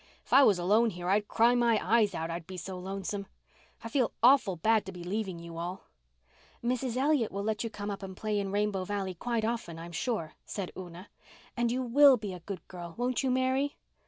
"If I was alone here I'd cry my eyes out I'd be so lonesome. I feel awful bad to be leaving you all." "Mrs. Elliott will let you come up and play in Rainbow Valley quite often I'm sure," said Una. "And you will be a good girl, won't you, Mary?"